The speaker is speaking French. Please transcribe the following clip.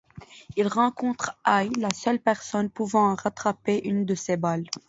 Il rencontre Ai, la seule personne pouvant rattraper une de ces balles.